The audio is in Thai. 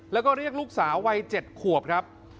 แล้วก็เรียกลูกสาววัย๗ขวบครับ